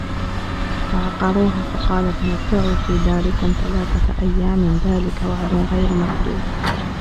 فَعَقَرُوهَا فَقَالَ تَمَتَّعُوا فِي دَارِكُمْ ثَلَاثَةَ أَيَّامٍ ذَلِكَ وَعْدٌ غَيْرُ مَكْذُوبٍ